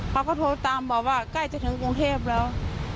เขาก็โทรตามบอกว่าใกล้จะถึงกรุงเทพแล้ว